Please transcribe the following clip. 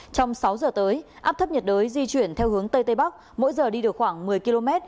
trong sáu giờ tới áp thấp nhiệt đới di chuyển theo hướng tây tây bắc mỗi giờ đi được khoảng một mươi km